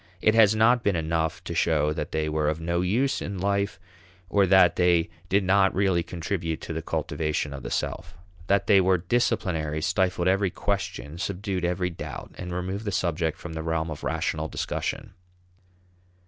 It has not been enough to show that they were of no use in life or that they did not really contribute to the cultivation of the self. That they were "disciplinary" stifled every question, subdued every doubt, and removed the subject from the realm of rational discussion.